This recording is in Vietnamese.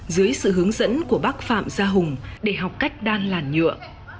dưới sự hướng dẫn của bác phạm gia hùng để học cách đan làn nhựa